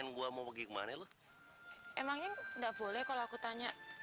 sampai jumpa di video selanjutnya